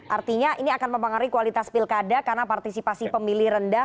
artinya ini akan mempengaruhi kualitas pilkada karena partisipasi pemilih rendah